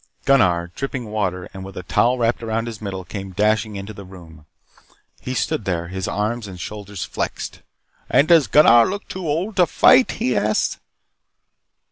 Gunnar, dripping water, and with a towel wrapped around his middle, came dashing into the room. He stood there, his arms and shoulders flexed. "And does Gunnar look too old to fight?" he asked.